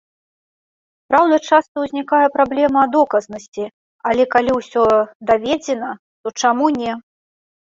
Праўда, часта ўзнікае праблема доказнасці, але калі ўсё даведзена, то чаму не?